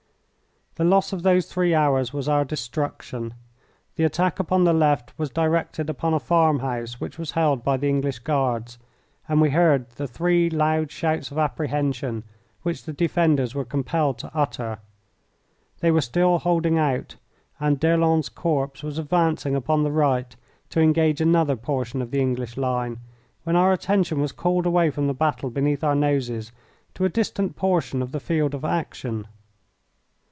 The loss of those three hours was our destruction. The attack upon the left was directed upon a farm house which was held by the English Guards, and we heard the three loud shouts of apprehension which the defenders were compelled to utter. They were still holding out, and D'Erlon's corps was advancing upon the right to engage another portion of the English line, when our attention was called away from the battle beneath our noses to a distant portion of the field of action.